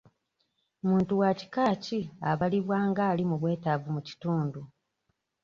Muntu wa kika ki abalibwa nga ali mu bwetaavu mu kitundu.?